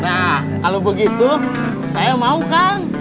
nah kalau begitu saya mau kang